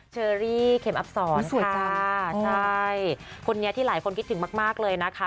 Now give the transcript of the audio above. เชอรี่เข็มอับสอนสวยจ้าใช่คนนี้ที่หลายคนคิดถึงมากมากเลยนะคะ